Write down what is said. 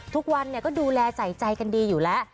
ทุกวันก็ดูแลใส่ใจกันดีอยู่แล้ว